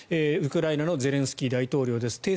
ウクライナのゼレンスキー大統領です。